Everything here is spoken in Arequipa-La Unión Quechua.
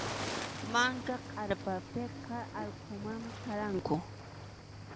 Manka kʼarpapiqa allqumanmi qaranku.